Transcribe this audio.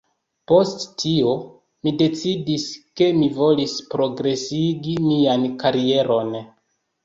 Post tio, mi decidis, ke mi volis progresigi mian karieron